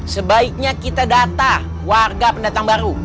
sebaiknya kita data warga pendatang baru